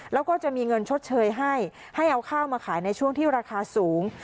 แล้วก็จะมีเงินชดเชยให้ให้เอาข้าวมาขายในช่วงที่ราคาสูง